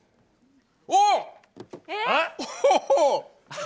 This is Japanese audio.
おっ！